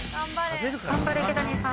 頑張れ池谷さん